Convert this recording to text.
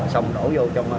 xong đổ vô trong